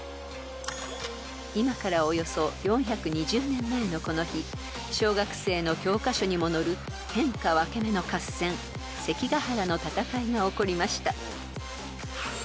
［今からおよそ４２０年前のこの日小学生の教科書にも載る天下分け目の合戦関ヶ原の戦いが起こりました］